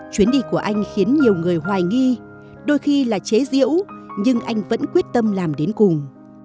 chuyến đi của anh khiến nhiều người hoài nghi đôi khi là chế diễu nhưng anh vẫn quyết tâm làm đến cùng